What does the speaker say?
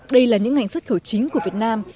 đây là những ngành xuất khẩu chính của việt nam